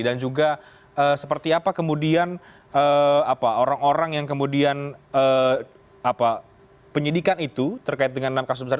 dan juga seperti apa kemudian orang orang yang kemudian penyidikan itu terkait dengan enam kasus besar